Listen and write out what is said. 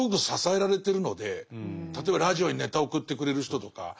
例えばラジオにネタ送ってくれる人とか。